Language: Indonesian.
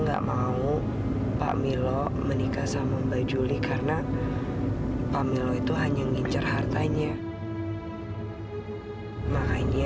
sampai jumpa di video selanjutnya